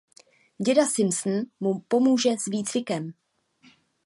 Děda Simpson mu pomůže s výcvikem.